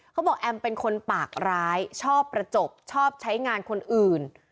แอมเป็นคนปากร้ายชอบประจบชอบใช้งานคนอื่น